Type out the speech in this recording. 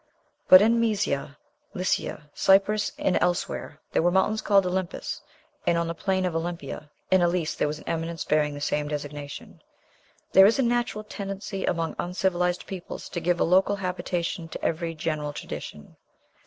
But in Mysia, Lycia, Cyprus, and elsewhere there were mountains called Olympus; and on the plain of Olympia, in Elis, there was an eminence bearing the same designation. There is a natural tendency among uncivilized peoples to give a "local habitation" to every general tradition.